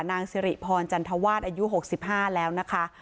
นางสิริพรจันทวาสอายุหกสิบห้าแล้วนะคะ